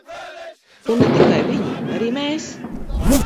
Un ne tikai viņi, arī mēs.